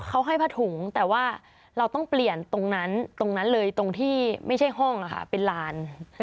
เขาให้ผ้าถุงแต่ว่าเราต้องเปลี่ยนตรงนั้นตรงนั้นเลยตรงที่ไม่ใช่ห้องนะคะเป็นลาน